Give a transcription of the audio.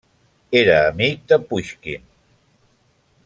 Era amic de Puixkin.